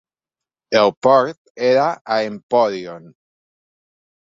El port era a Empòrion.